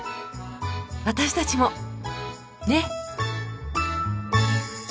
私たちもねっ！